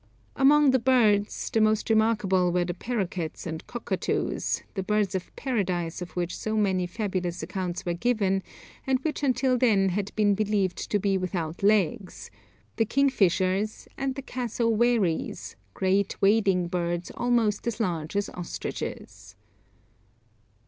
Among the birds, the most remarkable were the parroquets and cockatoos, the birds of Paradise of which so many fabulous accounts were given, and which until then had been believed to be without legs, the king fishers, and the cassowaries, great wading birds almost as large as ostriches.